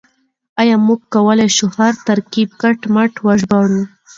آيا موږ کولای شو هر ترکيب کټ مټ وژباړو؟